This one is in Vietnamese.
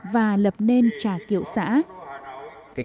và lập nên trà kiệu xã